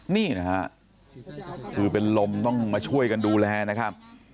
นี่นะฮะคือเป็นลมต้องมาช่วยกันดูแลนะครับ